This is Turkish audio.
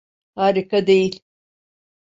Harika değil.